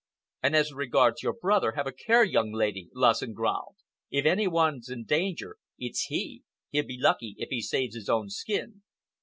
"And as regards your brother, have a care, young lady," Lassen growled. "If any one's in danger, it's he. He'll be lucky if he saves his own skin."